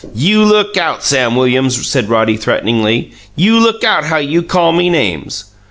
"You look out, Sam Williams!" said Roddy threateningly. "You look out how you call me names!"